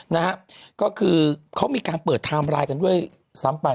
นะฮะก็คือเขามีการเปิดไทม์ไลน์กันด้วยซ้ำไป